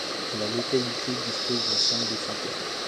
La localité dispose d'un centre de santé.